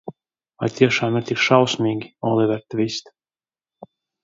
Vai tiešām ir tik šausmīgi, Oliver Tvist?